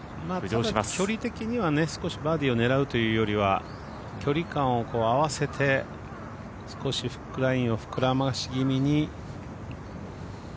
距離的には少しバーディーを狙うというよりかは距離感を合わせて少しフックラインを膨らまし気味に。